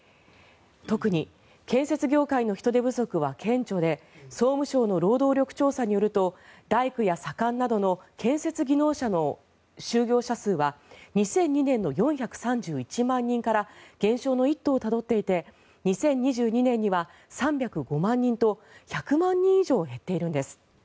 特に建設業界の人手不足は顕著で総務省の労働力調査によると大工や左官などの建設技能者の就業者数は２００２年の４３１万人から減少の一途をたどっていて２０２２年には３０５万人と１００万人以上減っているんです。